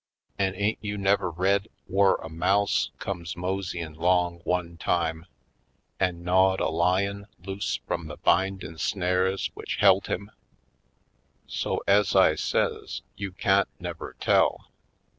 An' ain't you never read whur a mouse comes mosey in' 'long one time an' gnawed a lion loose frum the bindin' snares w'ich belt him? So, ez I says, you can't never tell.